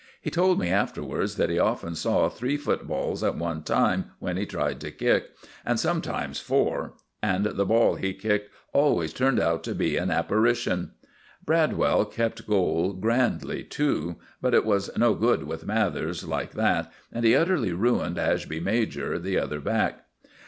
He told me afterwards that he often saw three footballs at one time when he tried to kick, and sometimes four, and the ball he kicked always turned out to be an apparition. Bradwell kept goal grandly too; but it was no good with Mathers like that, and he utterly ruined Ashby Major, the other back.